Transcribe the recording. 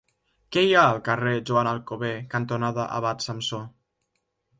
Què hi ha al carrer Joan Alcover cantonada Abat Samsó?